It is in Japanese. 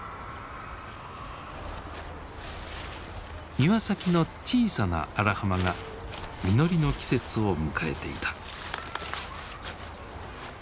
庭先の小さな荒浜が実りの季節を迎えていた。